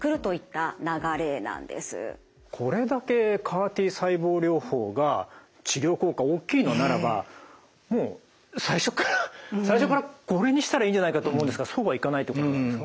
これだけＣＡＲ−Ｔ細胞療法が治療効果大きいのならば最初からこれにしたらいいんじゃないかと思うんですがそうはいかないところなんですか？